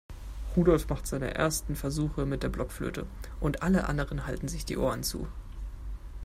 Rudolf macht seine ersten Versuche mit der Blockflöte und alle anderen halten sich die Ohren zu.